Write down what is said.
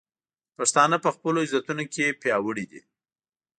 پښتانه په خپلو عزتونو کې پیاوړي دي.